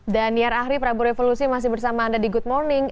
daniar ahri prabu revolusi masih bersama anda di good morning